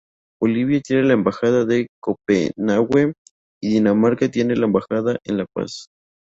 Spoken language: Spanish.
Bolivia tiene una embajada en Copenague, y Dinamarca tiene una embajada en La Paz.